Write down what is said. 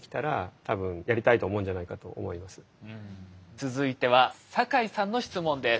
続いては坂井さんの質問です。